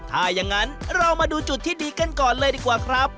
ถ้าอย่างนั้นเรามาดูจุดที่ดีกันก่อนเลยดีกว่าครับ